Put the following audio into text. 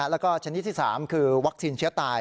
แล้วก็ชนิดที่๓คือวัคซีนเชื้อตาย